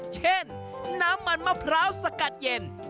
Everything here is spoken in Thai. เช่นน้ำมันมะพร้าวสกัดเย็น